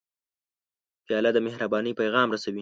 پیاله د مهربانۍ پیغام رسوي.